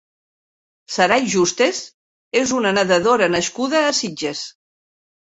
Sarai Justes és una nedadora nascuda a Sitges.